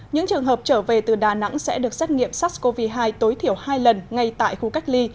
những trường hợp trở về từ đà nẵng sẽ được xét nghiệm sars cov hai tối thiểu hai lần ngay tại khu cách ly